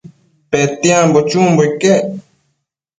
Petiambo chumbo iquec